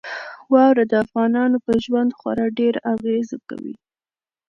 واوره د افغانانو په ژوند خورا ډېره اغېزه کوي.